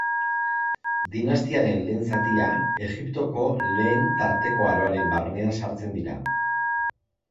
Dinastiaren lehen zatia, Egiptoko lehen tarteko aroaren barnean sartzen dira.